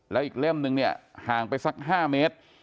แล้วอีกเล่มหนึ่งห่างไป๕เมตร